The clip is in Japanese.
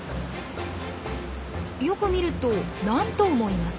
よく見ると何頭もいます。